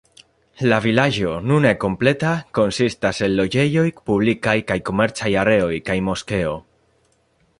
La vilaĝo, nune kompleta, konsistas el loĝejoj, publikaj kaj komercaj areoj, kaj moskeo.